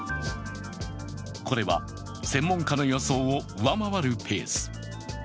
これは専門家の予想を上回るペース。